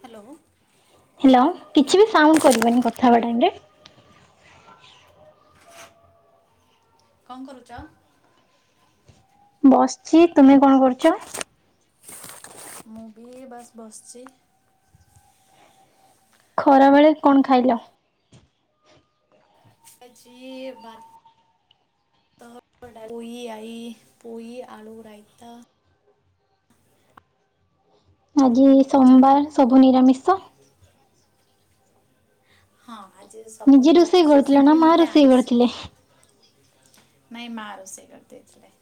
Hello. Hello. କିଛି ବି sound କରିବନି କଥା ହେବା ଟାଇମ ରେ। କଣ କରୁଚ? ବସିଚି। ତୁମେ କଣ କରୁଚ? ମୁଁ ବି ବାସ୍ ବସିଛି। ଖରାବେଳେ କଣ ଖାଇଲ? [inaudible] ଭାତ, ଡା ପୋଇ ଆଇ ପୋଇ ଆଳୁ ରାଇତା। ଆଳୁ ଆଜି ଭଜା ସୋମବାର ସବୁ ନିରାମିଷ। ହଁ ଆଜି ସବୁ ନିଜେ ରୋଷେଇ ନିରାମିଷ କରୁଥିଲ ନା ସେମିତି ବି ମା ମତେ ଆଇଁ ରୋଷେଇ କରିଥିଲେ? ନାଇଁ ମା ରୋଷେଇ କରିଦେଇଥିଲେ।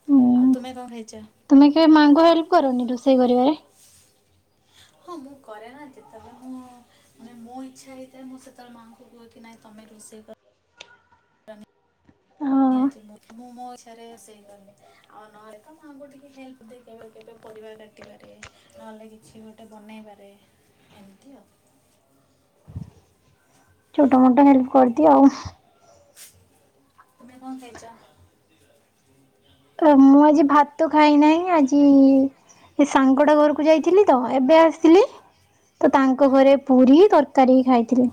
ହୁଁ। ଆଉ ତୁମେ କଣ ଖାଇଛ? ତୁମେ କେବେ ମାଙ୍କୁ ହେଲ୍ପ କରନି ରୋଷେଇ କରିବାରେ। ହଁ ମୁଁ କରେ ନା ଯେତେବେଳେ ମୁଁ ମାନେ ମୋ ଇଚ୍ଛା ହେଇଥାଏ ମୁଁ ସେତେବେଳେ ମାଆଙ୍କୁ କୁହ କି ନାଇଁ ତମେ ରୋଷେଇ କ ହଁ ନିହାତି ମୁଁ ମୋ ଇଚ୍ଛା ରେ ରୋଷେଇ କରେ। ଆଉ ନହେଲେ ତ ମାଆଙ୍କୁ ଟିକେ ହେଲ୍ପ ଦେଇ କେବେ କେବେ ପରିବା କାଟିବାରେ। ନହେଲେ କିଛି ଗୋଟେ ବନେଇବାରେ ଏମିତି ଆଉ। ଛୋଟ ମୋଟ ହେଲ୍ପ କରିଦିଏ ଆଉ। ତୁମେ କଣ ଖାଇଚ? ମୁଁ ଆଜି ଭାତ ଖାଇ ନାହିଁ ଆଜି- ଏ ସାଙ୍ଗଟା ଘରକୁ ଯାଇଥିଲି ତ ଏବେ ଆସିଲି। ତ ତାଙ୍କ ହୁଁ ଘରେ ପୁରୀ ତରକାରୀ ଖାଇଥିଲି।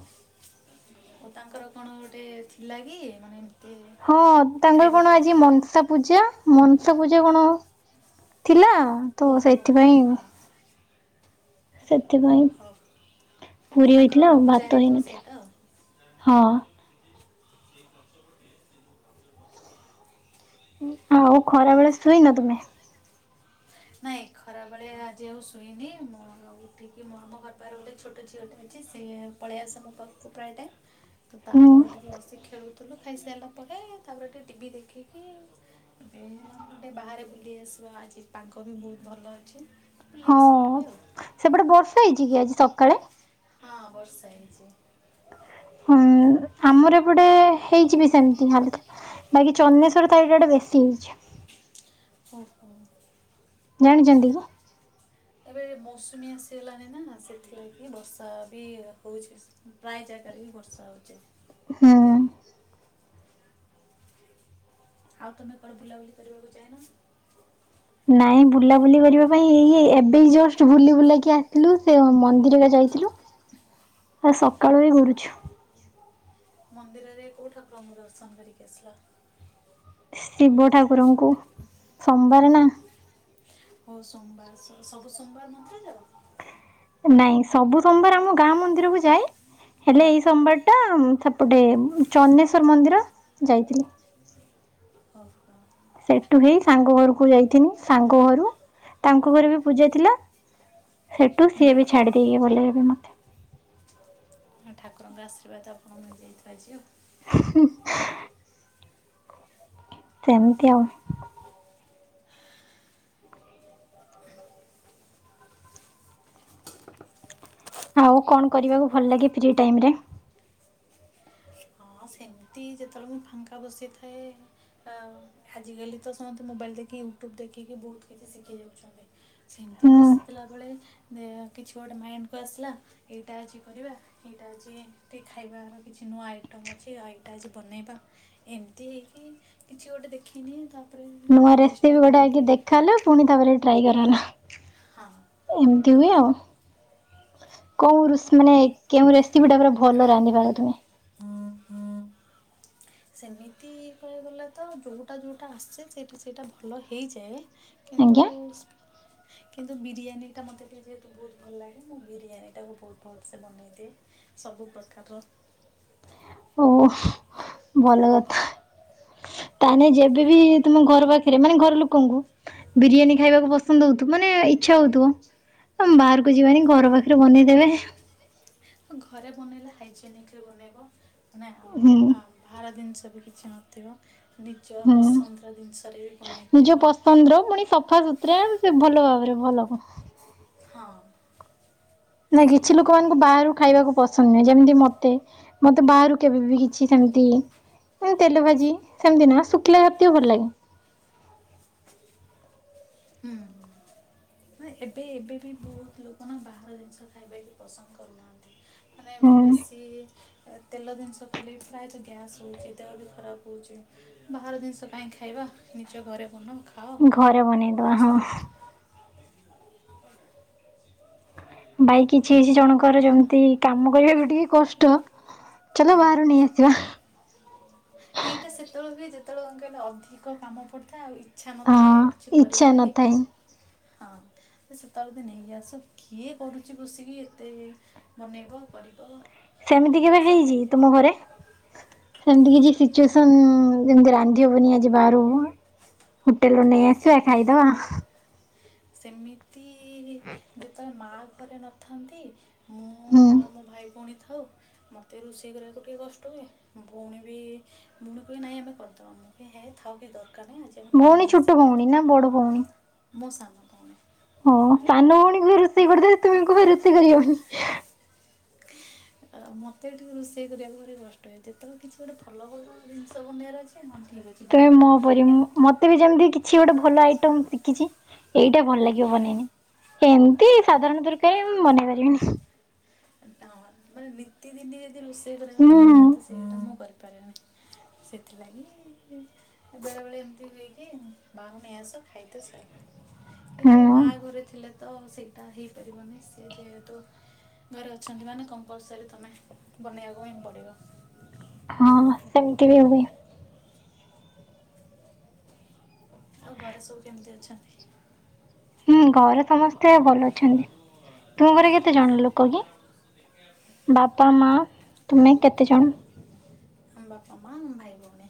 ଓ ତାଙ୍କର କଣ ଗୋଟେ ଥିଲା କି ମାନେ- ହଁ ତାଙ୍କର ଖାଇବା କଣ ପିଇବା ଆଜି ପାଇଁ ମନସା ପୂଜା। ମନସା ପୂଜା କଣ ଥିଲା ତ ଓହୋ ସେଥି ପାଇଁ। ହଁ ସେଥିପାଇଁ। ହଉ ପୁରୀ ତାଙ୍କର ହେଇଥିଲା ଗୋଟେ ଆଉ ପୂଜା ଭାତ ହେଇଥିବ ହେଇନଥିଲା ସେଇଟା ଆଉ ହଁ। [inaudible] ଆଉ ଖରା ବେଳେ ଶୁଇନ ତୁମେ। ନାହିଁ ଖରାବେଳେ ଆଜି ଆଉ ଶୋଇନି ମୋର ଉଠିକି ମର ଘରପାଖରେ ଗୋଟେ ଛୋଟ ଝିଅଟା ଅଛି ସିଏ ପଳେଇ ଆସେ ମୋ ପାଖକୁ ପ୍ରାୟ ଟାଇମ। ତ ତା ହୁଁ ମୋର ଟିକିଏ ବସି ଖେଳୁଥିଲୁ ଖାଇସାରିଲା ପରେ ତାପରେ ଟିକେ ଟିଭି ଦେଖିକି। ଏ ହେଲା ଗୋଟେ ବାହାରେ ବୁଲି ଆସିବା ଆଜି ପାଗ ବି ବହୁତ ଭଲ ଅଛି। ବୁଲି ହଁ ଆସିଲୁ ଟିକେ ଆଉ ସେପଟେ ବର୍ଷା ହେଇଛି କି ଆଜି ସକାଳେ? ହଁ ବର୍ଷା ହେଇଛି। ହୁ ଆମର ଏପଟେ ହେଇଚିବି ସେମିତି ଖାଲି। ବାକି ଚନ୍ଦନେଶ୍ୱର ସାଇଡି ଆଡେ ବେଶୀ ହେଇଛି। ଓ ହୋ। ଜାଣିଛନ୍ତି କି? ଏବେ ମୌସୁମୀ ଆସିଗଲାଣିି ନା ସେଥିଲାଗି ବର୍ଷା ବି ହଉଛି। ପ୍ରାୟ ଜାଗାରେ ହିଁ ବର୍ଷା ହଉଛି। ହୁଁ। ଆଉ ତମେ କଣ ବୁଲାବୁଲି କରିବାକୁ ଜାଇନ। ନାଇଁ ବୁଲାବୁଲି କରିବା ପାଇଁ ଇ ଇଏ ଏବେ ଜଷ୍ଟ ବୁଲି ବୁଲାକି ଆ ଥିଲୁ ସେ ମନ୍ଦିରରେ ଯାଇଥିଲୁ ଆ ସକାଳୁ ବି ଘୁରୁଛୁ। ମନ୍ଦିରରେ କୋଉଁ ଠାକୁରଙ୍କୁ ଦର୍ଶନ କରିକି ଆସିଲା? ଶିବ ଠାକୁରଙ୍କୁ ସୋମବାର ନା। ହଉ ସୋମବାର ସବୁ ସୋମବାର ମନ୍ଦିର ଯାଅ। ନାଇଁ ସବୁ ସୋମବାର ଆମ ଗାଁ ମନ୍ଦିରକୁ ଯାଏ। ହେଲେ ହଁ ଏଇ ସୋମବାରଟା ସେପଟେ ଚନେଶ୍ଵର ମନ୍ଦିର ଯାଇଥିଲି। ଓ ହଁ। ସେଠୁ ହେଇ ସାଙ୍ଗ ଘରକୁ ଯାଇଥିଲୁ ସାଙ୍ଗ ଘରୁ ତାଙ୍କ ଘରେ ବି ପୂଜା ଥିଲା। ସେଠୁ ହୁଁ, ସିଏ ବି ହୁଁ ଛାଡି ଦେଇକି ଗଲେ ଏବେ ମତେ। ହଁ, ଠାକୁରଙ୍କ ଆଶୀର୍ବାଦ ଆପଣଙ୍କୁ ମିଳିଯାଇଥିବ ଆଜି ଆଉ। ହୁଁ ହ। ସେମିତି ଆଉ। ଆଉ, କଣ କରିବାକୁ ଭଲ ଲାଗେ ଫ୍ରି ଟାଇମ୍ ରେ? ହଁ, ସେମିତି ଯେତେବେଳେ ମୁଁ ଫାଙ୍କା ବସିଥାଏ। ଆଁ, ଆଜିକାଲି ତ ସମସ୍ତେ ମୋବାଇଲ୍ ଦେଖି ୟୁଟ୍ୟୁବ୍ ଦେଖିକି ବହୁତ କିଛି ଶିଖି ଯାଉଛନ୍ତି। ସେମିତି ହୁଁ ବସିଥିଲାବେଳେ କିଛି ଗୋଟେ ମାଇଣ୍ଡକୁ ଆସିଲା। ଏଇଟା ଅଜି କରିବା। ଏଇଟା ଆଜି ଟିକେ, ଖାଇବାର କିଛି ନୂଆ ଆଇ ଟମ୍ ଅଛି। ଆ ଏଇଟା ଆଜି ବନେଇବା। ଏମିତି ହେଇକି କିଛି ଗୋଟେ ଦେଖିନିଏ, ତା ତା'ପରେ ଚେଷ୍ଟା କରେ କିି? ଖାଇଲେ, ପୁଣି ତା'ପରେ ଟ୍ରାଏ କରାହେଲା। ହଁ। ଏମିତି ହୁଏ ଆଉ। କଉ ଋଷ୍ ମାନେ କେଉଁ ରେସିପି ଟା ପୁରା ଭଲ ରାନ୍ଧିିପାର ତୁମେ? [unintelligible] ସେମିତି କହିବାକୁ ଗଲେ ତ ଯୋଉଟା, ଯୋଉଟା, ଆସେ ସେଇଟା, ସେଇଟା ଭଲ ହେଇଯାଏ। ଆଜ୍ଞା କିନ୍ତୁ-ଉ ଉସ୍ କିନ୍ତୁ ବିରିୟାନୀଟା ମୋତେ ଟିକେ ଯେହେତୁ ବହୁତ ଭଲ ଲାଗେ। ମୁଁ ବିରିୟାନୀଟାକୁ ବହୁତ ଭଲ୍ ସେ ବନେଇଦିଏ। ସବୁ ପ୍ରକାରର୍। ଓହଃ, ଭଲ କଥା। ତା ହେନେ, ଯେବେବି, ତୁମ ଘର ପାଖରେ ମାନେ ଘର ଲୁକଙ୍କୁ ବିରିୟାନୀ ଖାଇବାକୁ ପସନ୍ଦ ହଉଥୁ। ମାନେ ଇଚ୍ଛା ହଉଥୁବ। ଆମ୍ ବାହାରକୁ ଯିବାନି, ଘର ପାଖରେ ବନେଇଦେବେ। ଘରେ ବନେଇଲେ ହାଇଜେନିକ୍ ରେ ବନେଇବ। ମାନେ ଆମ୍ ହୁଁ ହାମ୍ ବାହାର ଦିନିଷ ବି କିଛି ନଥିବ। ନିଜ ହୁଁ ପସନ୍ଦର ଦିନଷରେ ବି ବନେଇ ପାରିବ। ଚନ୍ଦ୍ର ପୁଣି ସଫା, ସୁ ତ୍ରା, ସେ ଭଲ ଭାବରେ, ଭଲ ହ ହଁ। ନାଇଁ, କିଛି ଲୁକମାନଙ୍କୁ ସେଥିଲାଗି ବାହାରୁ ଖାଇବାକୁ ପସନ୍ଦ ନୁହେଁ। ଯେମିତି ମତେ, ମତେ ବାହାରୁ କେବେ ବି କିଛି ସେମତି ଉଁ ତେଲ ଭାଜି, ସେମିତି ନୁହଁ, ଶୁଖିଲା ଜାତୀୟ ଭଲ ଲାଗେ। ହୁଁ, ହୁଁ। ମାନ ଏବେ, ଏବେ ବି ବହୁତ ଲୋକ ନା, ବାହାର ଜିନିଷ ଖାଇବାବି ପସନ୍ଦ କରୁନାହାଁନ୍ତି। ମାନେ ବେଶୀ-ଇ ତେଲ ଦିନିଷ ଖାଇଲେ ବି ପ୍ରାୟତଃ ଗ୍ୟାସ୍ ହଉଛି, ଦେହ ବି ଖରାପ ହେଉଛି। ବାହାର ଦିନିଷ କାଇଁ ଖାଇବା! ନିଜ ଘରେ ବନ ଖାଅ। ଘରେ ବନେଇଦବା, ମସ୍ତ ହଁ। ରୁହ ଭାଇ [inaudible] କିଛି ଜଣଙ୍କର ଯେମିତି କାମ କରିବାକୁ ଟିକେ କଷ୍ଟ। ଚାଲ ହୁଁ ବାହାରୁ ନେଇ ଆସିବା। ଏଇଟା ସେତେବେଳେ ହୁଏ, ଯେତେବେଳେ କଣ କହିଲ ଅଧିକ କାମ ପଡିଥାଏ ଆଉ, ଇ ଇଚ୍ଛା ହଁ ନଥାଏ, କିଛି ଇଚ୍ଛା କରିବା ଲାଗି। ନଥାଏ। ହଁ, ସେତେବେଳ ତ ନେଇକି ଆସ। କିଏ କରୁଛି ବସିକି ଏତେ-ଏ ବନେଇବ, କରିବ। ସେମିତି ନେଇ କେବେ ଆସ ହେଇଛି, ଖାଇଦେ ତୁମ ଘରେ? ସେମତି କିଛି ସିଚୁଏସନ୍ ଯେମତି ରାନ୍ଧି ହବନି, ଆଜି ବାହାରୁ ହୋଟେଲ ନେଇ ନା ଆସିବା, ଖାଇଦବାଁ। ସେମିତି-ଇ ଯେତେବେଳେ ମାଁ ଘରେ ନଥାନ୍ତି। ମୁଁ-ଉ ହୁଁ। ଆଉ, ମୋ ଭାଇ ଭଉଣୀ ଥାଉ। ମୋତେ ରୁଷେଇ କରିବାକୁ ଟିକେ କଷ୍ଟ ହୁଏ। ଭଉଣୀ ବି ଭୁଣି କହେ, ନାଇଁ ଆମେ କରଦବା। ମୁଁ କହେ ହେ ଥାଉ କିଛି ଦରକାର ନାହିଁ। ଆଜି ଆମେ କିଣି ଭଉଣୀ ନେଇ ଛୁଟ ଆସିବା ଭଉଣି ଖାଇଦେବା ନା ବଡ ଭଉଣି? ମୋ ସାନ ଭଉଣି। ହଁ ସାନ ଭଉଣୀ ବି ରୋଷେଇ କରିଦେଲେ ତୁମକୁ ବି ରୋଷେଇ କରିହଉନି। ଆଉ ମତେ ବି ଟିକେ ରୁଷେଇ କରିବାକୁ ଭାରି କଷ୍ଟ ହୁଏ। ଯେତେବେଳେ କିଛି ଗୋଟେ ଭଲ ଭଲ ଜିନିଷ ବନେଇବାର ଅଛି ଠିକ ଅଛି ତମେ ବନେଇବା। ମୋ ପରି ଏମତି ମତେ ବି ଯେମିତି କିଛି ଗୋଟେ ଭଲ ଆଇଟମ ଶିଖିଛି ଏଇଟା ଭଲ ହୁଁ ଲାଗିବ ବନେଇନେ। ଏମିତି ସାଧାରଣ ତରକାରୀ ମୁଁ ବନେଇ ପାରିବିନି। ନା ମାନେ ନିତି ଦିନି ଯଦି ରୋଷେଇ କରିବା ହୁଁ ତାପଲେ ମତେ ସେଇ କାମ କରିପାରେନି। ସେଥିଲାଗି ବେଳେବେେଳେ ଏମିତି ହୂଏକି ବାହାରୁ ନେଇ ଆସ ଖାଇଦିଅ ସଇଲା। କିନ୍ତୁ ହୁଁ ମା ଘରେ ଥିଲେ ତ ସେଇଟା ହେଇପାରିବନି ସି ଯେହେତୁ ଘର ଅଛନ୍ତି ମାନେ କମ୍ପଲସରୀ ତମେ ବନେଇବାକୁ ହିଁ ପଡିବ। ହଁ ହଁ ସେମିତି ବି ହୁଏ। ଆଉ ଘରେ ସବୁ କେମିତି ଅଛନ୍ତି? ହୁଁ ଘରେ ସମସ୍ତେ ଭଲ ଅଛନ୍ତି। ତୁମ ଘରେ କେତେ ଜଣ ଲୋକ କି? ବାପା ମା ତୁମେ କେତେ ଜଣ? ଆମ ବାପା ମା ଆମ ଭାଇ ଭଉଣୀ।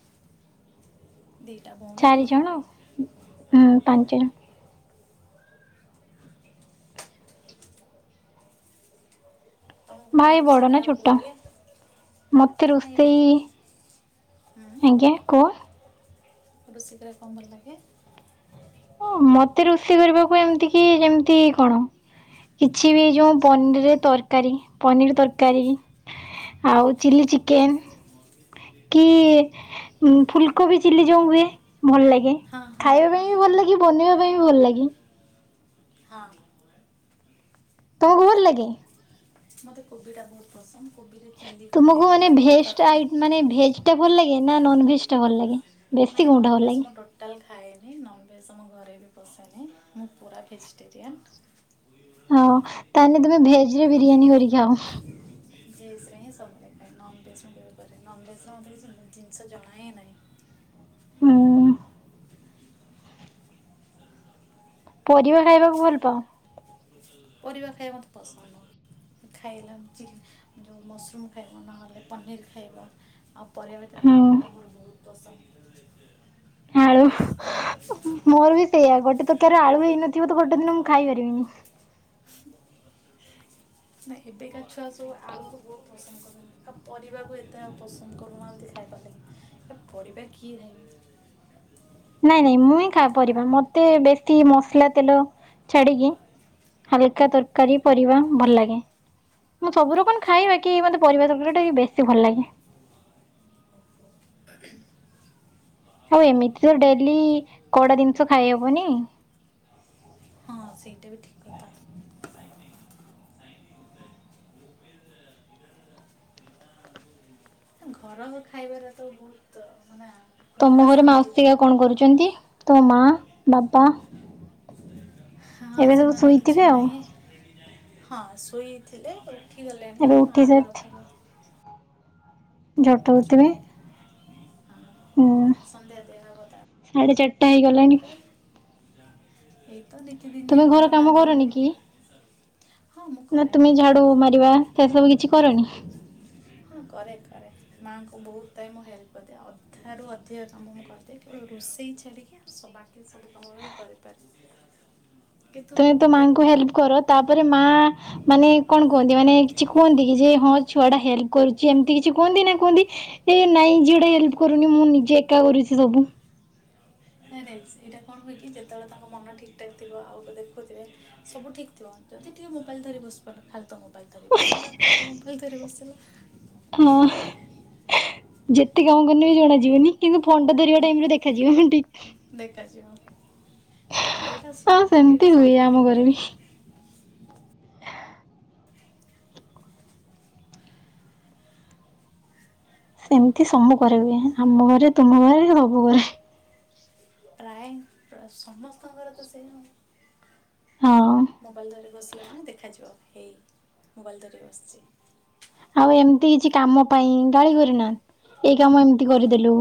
ଦିଟା ଭଉଣୀ ଚାରି ଗୋଟେ ଜଣ ଭାଇ। ହୁଁ ହଁ ପାଞ୍ଚ ଜଣ ତମକୁ କଣ ଭାଇ ରୋଷେଇ ବଡ଼ ନା କରିବାକୁ ଛୋଟ ଭଲ ଲାଗେ। ମୋତେ ଆ ରୋଷେଇ ହୁଁ। ଆଜ୍ଞା କୁହ? ରୋଷେଇ କରିବାକୁ କଣ ଭଲ ଲାଗେ? ହଁ ମତେ ରୋଷେଇ କରିବାକୁ ଏମିତି କି ଯେମିତି କଣ କିଛି ବି ଯୋଉ ପନିରରେ ତରକାରୀ ପନିର ତରକାରୀ। ଆଉ ଚିଲି ଚିକେନ। କି ଫୁଲକୋବି ଚିଲି ଯୋଉ ହୁଏ ଭଲ ଲାଗେ। ହଁ ହଁ ଖାଇବା ହଁ ପାଇଁ ବି ଭଲ ହଁ ଲାଗି ବନେଇବା ପାଇଁ ବି ଭଲ ଲାଗେ। ହଁ। ତମକୁ ଭଲ ଲାଗେ? ମତେ କୋବିଟା ବହୁତ ପସନ୍ଦ କୋବିରେ ଚିଲି କଲେ କୋବିରେ ତରକାରୀ ଏ ଭେଜଟା ଭଲ ଲାଗେ ନା, ନନ ଭେଜଟା ଭଲ ଲାଗେ ବେଶୀ ନାଇଁ କଉଟା ଭଲ ନନଭେଜ୍ ଲାଗେ? ମୁଁ ଟୋଟାଲ୍ ଖାଏନି ନନ୍ଭେଜ୍, ଆମ ଘରେ ବି ପଶେନି, ମୁଁ ପୁରା ଭେଜିଟେରିଆନ୍। ହଉ ତାଲେ ତମେ ଭେଜ ରେ ବିରିୟାନୀ କରିକି ଖାଅ। ଭେଜ ରେ ହିଁ ସବୁବେଳେ ଖାଏ ନ ଭେଜରେମୁଁ କେବେ କରେନି ନନଭେଜରେ ଭେଜ ଜିନିଷ ଜଣା ହିଁ ନାହିଁ। [inaudible] ମଟିି ତ ଗଟି [inaudible] ପରିବା ଖାଇବାକୁ ଭଲ ପାଅ? ପରିବା ଖାଇବା ମତେ ପସନ୍ଦ ମୋର। ଖାଇଲନି ଚିଲ ଯଉ ମସରୁମ୍ ଖାଇବା ନହେଲେ ପନିର ଖାଇବ। ଆଉ ପରିବା ଭିତରେ ହୁଁ ଆଳୁଟା ମୋର ବହୁତ ପସନ୍ଦ। ଆଳୁ ଆଇଟମ ତ ହଁ। ମୋର ବି ସେଇଆ ଗୋଟେ ତରକାରୀ ଆଳୁ ହେଇନଥିବ ତ ଗୋଟେ ଦିନ ମୁଁ ଖାଇପାରିବିନି। [unintelligible] ବହୁତ [inaudible] ହ [inaudible] ନାଇଁ ଏବେକା ଛୁଆ ସବୁ ଆଳୁକୁ ବହୁତ ପସନ୍ଦ କରୁଛନ୍ତି ଆଉ ପରିବାକୁ ଏତେ ଆଉ ପସନ୍ଦ କରୁନାହାନ୍ତି। ଖାଇବା ଲାଗି ପରିବା କିଏ ଖାଇବ? ନାଇଁ ନାଇଁ ମୁଁ ଖାଏ ପରିବା ମତେ ବେଶୀ ମସଲା ତେଲ ଛାଡିକି ହୁଁ, ହାଲକା ତରକାରୀ ପରିବା ଭଲ ଲାଗେ। ମୁଁ ସବୁ ରକମ ଖାଇବା କି ମତେ ପରିବା ତରକାରୀଟା ବି ବେଶୀ ଭଲ ଲାଗେ। ଆ [inaudible] ଆଉ ଏମିତି ତ ଡେଲି କଡା ଜିନିଷ ଖାଇହବନି। ହଁ ସେଇଟା ବି ଠିକ କଥା। [inaudible] ଘର ଖାଇବାର ତ ବହୁତ ମାନେ ତମ ହଲକା ଘରେ ଶାନ୍ତି ଥାଏ ମାଉସିକା କଣ କରୁଛନ୍ତି ତମ ମା ବାପା ହଁ ସେମାନେ ଶୋଇଥିବେ କିଛି ଆଉ ନାଇଁ ହଁ ଶୋଇଥିଲେ ଉଠିଗଲେଣିି ଏବେ ଉଠି ମା ସାରି ଘର ପ ଝଟଉଥିବେ ଅଛନ୍ତି ହଁ ସନ୍ଧ୍ୟା ଦେବା କଥା ସାଢ଼େ ଚା ପରେ ଏଇତ ନିତିଦିନଆ ତୁମେ ଘର କାମ ତାଙ୍କର କରନି ବି କି? ହଁ ମୁଁ କରେ ତୁମେ ନା ଝାଡୁ କରେ। ମାରିବା ସେ ସବୁ କିଛି କରନି? ହଁ କରେ କରେ। ମାଆଙ୍କୁ ବହୁତ ଟାଇମ ମୁଁ ହେଲ୍ପ କରିଦିଏ ଅଧାରୁ ଅଧିକା କାମ ମୁଁ କରିଦିଏ କିୁ ରୋଷେଇ ଛାଡ଼ିକି ଆ ସ ବାକି ସବୁ କାମରେ ମୁଁ କରିପାରେ। କେତ ତୁମେ ତ ମାଙ୍କୁ ହେଲ୍ପ କର ତାପରେ ମା ମାନେ କଣ କୁହନ୍ତି ମାନେ କିଛି କୁହନ୍ତି କି ଯେ ହଁ ଛୁଆ ଟା ହେଲ୍ପ କରୁଛି ଏମିତି କିଛି କୁହନ୍ତି ନା କୁହନ୍ତି ଏ ନାଇଁ ଯିଟା ହେଲ୍ପ କରୁନି ମୁଁ ନିଜେ ଏକା କରୁଛି ସବୁ ନାଇଁ ନାଇ ଏଇଟା କଣ ହୁଏଛି ଯେତେବେଳେ ତାଙ୍କ ମନ ଠିକ୍ ଠାକ୍ ଥିବ ଆଉ ଦେଖୁଥିବେ ସବୁ ଠିକ୍ ଥିବ ଯଦି ଟିକେ ମୋବାଇଲ ଧରି ବସି ପଡେ ଖାଲିତ ମୋବାଇଲ ଧରି ବସିଲା ଖାଲିତ ମୋବାଇଲ ଧରି ବସିଲା। ହଁ ଯେତେ କାମ କରନେ ବି ଜଣ ଯିଅନି କିନ୍ତୁ ଫୋନ୍ ଟା ଧରିବା ହୁଁ, ଟାଇମରେ ଦେଖାଯିବ। ଦେଖାଯିବ ଏଇଟା ହଁ ସେମିତି ଏଇଟା ହୁଏ ଆମ ସବୁଠି ଘରେ ହୁଏ। ବି। ସେମତି ସବୁ କରେ ହୁଏ ଆମ ଘରେ ତୁମ ଘରେ ସବୁ ଘରେ। ପ୍ରାୟ ତ ସମସ୍ତଙ୍କର ତ ସେମ ଆଉ ହଁ। ମୋବାଇଲ ଧରି ବସିଲା ମାନେ ଦେଖାଯିବ ହେଇ ମୋବାଇଲ ଧରି ବସିଚି। ଆଉ ଏମିତି କିଛି କାମ ପାଇଁ ଗାଳି କରେନା ଏଇ କାମ ଏମିତି କରିଦେଲୁ।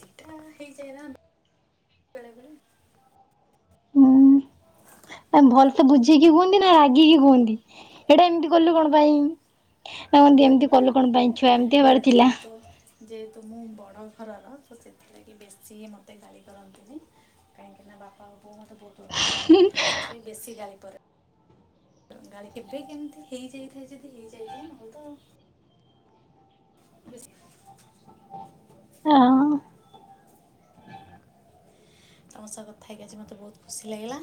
ଠିକ୍ ଠାକ୍ ହେଇଯାଏ ନା ବେଳେବେଳେ। ହୁଁ ହୁଁ ଭଲ ତ ବୁ ଠିକି କୁହନ୍ତି ନା ରାଗିକି କୁହନ୍ତି ଏଇଟା ଏମିତି କଲୁ କଣ ପାଇଁ। [unintelligible] ଏମିତି କଲୁ କଣ ପାଇଁ। ଛୁଆ ଏମିତି ହେବାର ଆମେ ଥିଲା। ଯେହେତୁ ଯେଏତୁ ମୁଁ ବଡ଼ ଘରର ତ ସେଥିଲାଗି ବେଶୀ ମତେ ଗାଳି କରନ୍ତିନି। କାହିଁକି ନା ବାପା ଆଉ ବୋଉ ମୋତେ ବହୁତ ଭଲ ପାଆନ୍ତି ସେଥିପାଇଁ ବେଶୀ ଗାଳି କରେ ଗାଳି କେବେ କେମିତି ହେଇଯାଇଥାଏ ଯଦି ହେଇଯାଇଥାଏ ନହେଲେ ତ ବେସି ହଁ। ତମ ସହ କଥା ହେଇକି ଆଜି ମତେ ବହୁତ ଖୁସି ଲାଗିଲା।